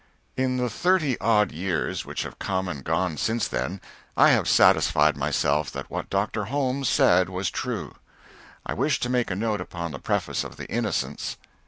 In the thirty odd years which have come and gone since then, I have satisfied myself that what Dr. Holmes said was true. I wish to make a note upon the preface of the "Innocents."